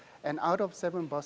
dan dari tujuh model bus